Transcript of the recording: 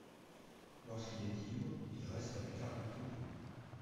Lorsqu'il est ivre, il reste à l'écart du troupeau.